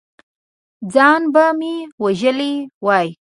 ځان به مې وژلی وي!